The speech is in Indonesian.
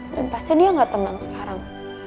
dan pasti dia gak tenang sekarang